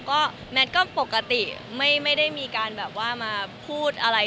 ก็มัดก็ปกติไม่ได้มีการมาพูดอะไร